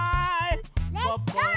レッツゴー！